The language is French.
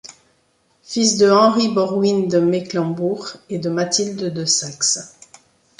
Fils de Henri Borwin de Mecklembourg et de Mathilde de Saxe.